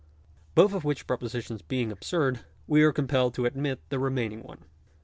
Both of which propositions being absurd, we are compelled to admit the remaining one. §3.